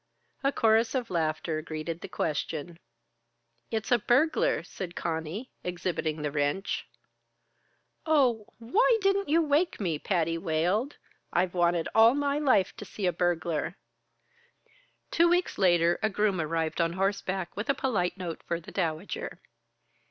A chorus of laughter greeted the question. "It's a burglar!" said Conny, exhibiting the wrench. "Oh, why didn't you wake me?" Patty wailed. "I've wanted all my life to see a burglar." Two weeks later, a groom arrived on horseback with a polite note for the Dowager.